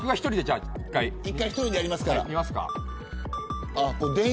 １回、１人でやりますから。